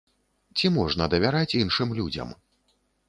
Ці можна давяраць іншым людзям?